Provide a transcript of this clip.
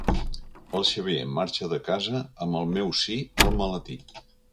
El Xavier marxa de casa amb el meu sí al maletí.